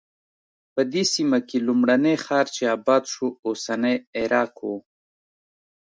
په دې سیمه کې لومړنی ښار چې اباد شو اوسنی عراق و.